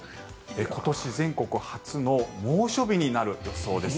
今年全国初の猛暑日になる予想です。